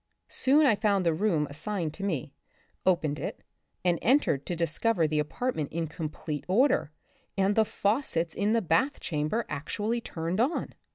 Soon I found the room assigned me, opened it, and entered \o discover the apartment m complete order, and the faucets in the bath chamber actually turned on